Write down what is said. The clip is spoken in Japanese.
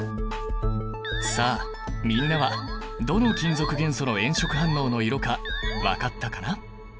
さあみんなはどの金属元素の炎色反応の色か分かったかな？